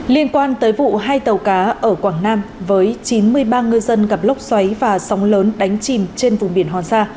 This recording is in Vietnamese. liên quan tới vụ hai tàu cá ở quảng nam với chín mươi ba ngư dân gặp lốc xoáy và sóng lớn đánh chìm trên vùng biển hòn sa